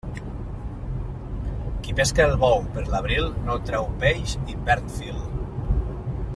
Qui pesca el bou per l'abril, no treu peix i perd fil.